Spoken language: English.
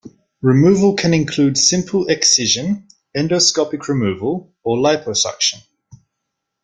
Removal can include simple excision, endoscopic removal, or liposuction.